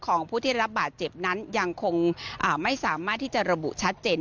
ของผู้ที่รับบาดเจ็บนั้นยังคงไม่สามารถที่จะระบุชัดเจน